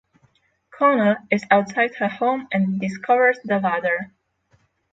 Corner is outside her home and discovers the ladder.